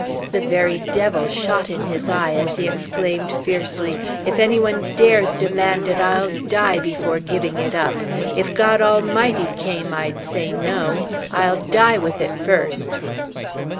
The very devil shot in his eye as he exclaimed fiercely, "If any one dares demand it, I'll die before giving it up! If God Almighty came, I'd say no! I'll die with it first!"